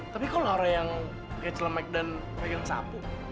tapi kok lah orang yang pake celemek dan pake sapu